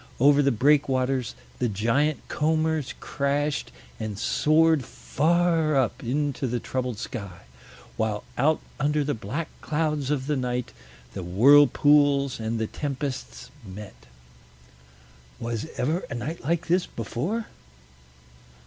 Over the breakwaters the giant combers crashed and soared far up into the troubled sky; while out under the black clouds of the night the whirlpools and the tempests met. Was ever a night like this before?